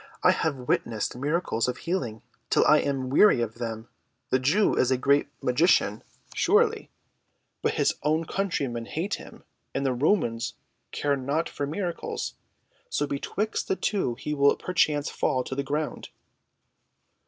"I have witnessed miracles of healing till I am weary of them. The Jew is a great magician, surely; but his own countrymen hate him, and the Romans care naught for miracles, so betwixt the two he will perchance fall to the ground."